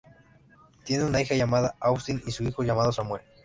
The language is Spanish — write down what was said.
Tiene una hija llamada Austin y un hijo llamado Samuel.